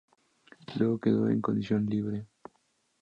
Luego quedó en condición de libre.